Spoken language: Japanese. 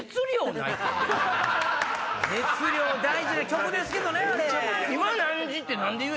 熱量大事な曲ですけどね。